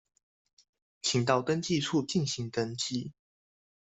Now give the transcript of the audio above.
請到登記處進行登記